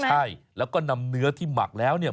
ใช่แล้วก็นำเนื้อที่หมักแล้วเนี่ย